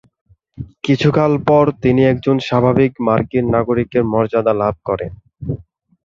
কিছুকাল পর তিনি একজন স্বাভাবিক মার্কিন নাগরিকের মর্যাদা লাভ করেন।